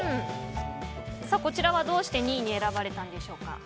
こちらはどうして２位に選ばれたんでしょうか？